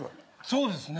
そうですね。